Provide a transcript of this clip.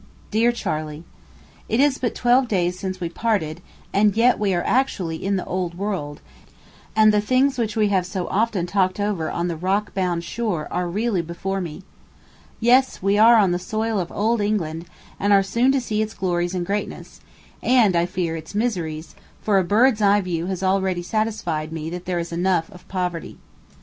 DEAR CHARLEY: It is but twelve days since we parted, and yet we are actually in the old world, and the things which we have so often talked over on the rock bound shore are really before me. Yes, we are on the soil of Old England, and are soon to see its glories and greatness, and, I fear, its miseries, for a bird's eye view has already satisfied me that there is enough of poverty.